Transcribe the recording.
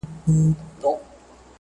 هماغه ماخوستن کې راباندې وکړه